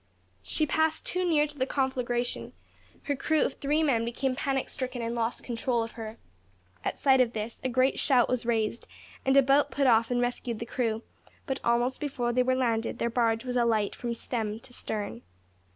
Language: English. She passed too near to the conflagration. Her crew of three men became panic stricken and lost control of her. At sight of this a great shout was raised, and a boat put off and rescued the crew; but almost before they were landed their barge was alight from stem to stern.